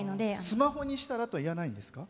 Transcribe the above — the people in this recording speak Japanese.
スマホにしたら？と言わないんですか？